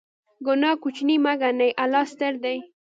ګناه کوچنۍ مه ګڼئ، الله ستر دی.